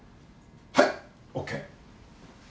はい！ＯＫ。